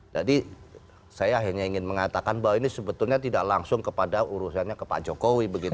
jadi saya hanya ingin mengatakan bahwa ini sebetulnya tidak langsung kepada urusannya ke pak jokowi